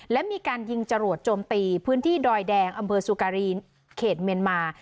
และมีการยิงจรวดโจมตีพื้นที่ดอยแดงอำเภอสุการีนเขตเมียนมา